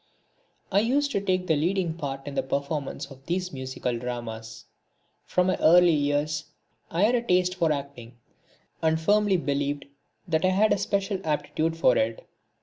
I used to take the leading part in the performance of these musical dramas. From my early years I had a taste for acting, and firmly believed that I had a special aptitude for it.